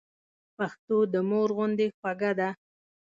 پښتو د مور غوندي خوږه ده.